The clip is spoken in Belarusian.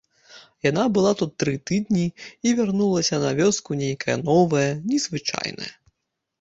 Яна была тут тры тыдні і вярнулася на вёску нейкая новая, незвычайная.